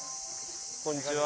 こんにちは。